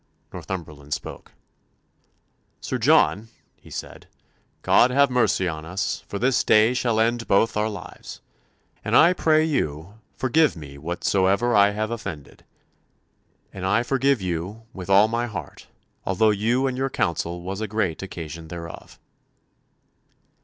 Northumberland spoke. "Sir John," he said, "God have mercy on us, for this day shall end both our lives. And I pray you, forgive me whatsoever I have offended; and I forgive you, with all my heart, although you and your counsel was a great occasion thereof."